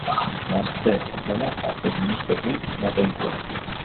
Gazte zela, Gazte Komunistekin bat egin zuen.